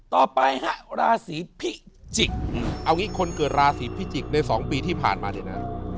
ต่อไปฮะราศีพิจิกเอางี้คนเกิดราศีพิจิกษ์ใน๒ปีที่ผ่านมาเนี่ยนะ